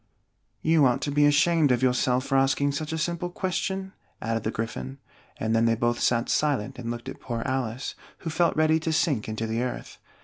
"You ought to be ashamed of yourself for asking such a simple question," added the Gryphon; and then they both sat silent and looked at poor Alice, who felt ready to sink into the earth.